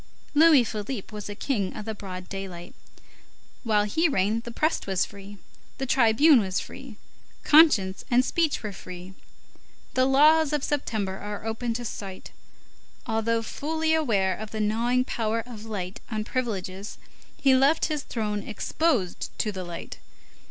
Louis Philippe was a king of the broad daylight. While he reigned the press was free, the tribune was free, conscience and speech were free. The laws of September are open to sight. Although fully aware of the gnawing power of light on privileges, he left his throne exposed to the light.